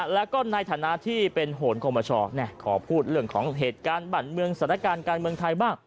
แล้วก็ในฐานะที่เป็นโหนคอมชขอพูดเรื่องของเหตุการณ์บั่นเมืองสถานการณ์การเมืองไทยบ้าง